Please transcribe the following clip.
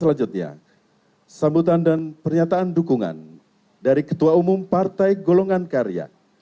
selanjutnya sambutan dan pernyataan dukungan dari ketua umum partai golongan karya